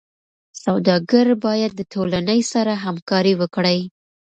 سوداګر باید د ټولنې سره همکاري وکړي.